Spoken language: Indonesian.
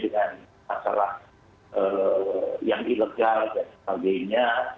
dengan masalah yang ilegal dan sebagainya